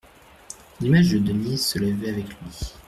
L'image de Denise se levait avec lui.